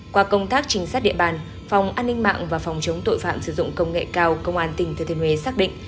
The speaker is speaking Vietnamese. qua công tác trinh sát địa bàn phòng an ninh mạng và phòng chống tội phạm sử dụng công nghệ cao công an tỉnh thừa thiên huế xác định